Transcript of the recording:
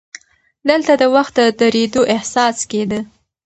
دلته د وخت د درېدو احساس کېده.